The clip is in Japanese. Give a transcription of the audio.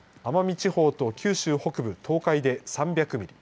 奄美地方と九州北部東海で３００ミリ。